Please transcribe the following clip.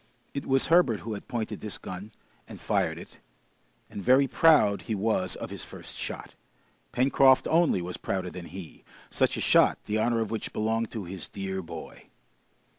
It was Herbert who had pointed this gun and fired it, and very proud he was of his first shot. Pencroft only was prouder than he! Such a shot, the honor of which belonged to his dear boy.